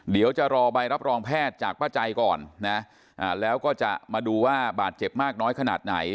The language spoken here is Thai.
เดี๋ยวจะรอใบรับรองแพทย์จากป้าใจก่อนนะแล้วก็จะมาดูว่าบาดเจ็บมากน้อยขนาดไหน